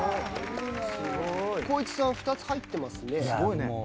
光一さん２つ入ってますね。